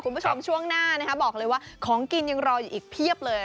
คุณผู้ชมช่วงหน้าบอกเลยว่าของกินยังรออยู่อีกเพียบเลย